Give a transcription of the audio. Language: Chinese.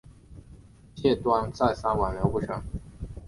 谢端再三挽留不成。